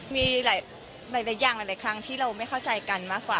มีหลายอย่างหลายครั้งที่เราไม่เข้าใจกันมากกว่า